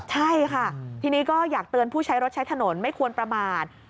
ใช่ค่ะทีนี้ก็อยากเตือนผู้ใช้รถใช้ถนนไม่ควรประมาท